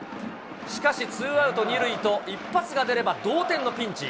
しかし、ツーアウト二塁と、一発が出れば、同点のピンチ。